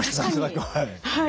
はい。